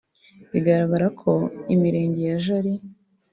bigaragara ko Imirenge ya Jali